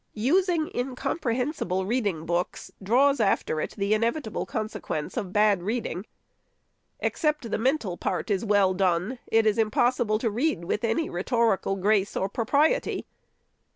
Using incomprehensible reading books draws after it the inevitable consequence of bad reading. Except the mental part is well done, it is impossible to read with any rhetorical grace or propriety.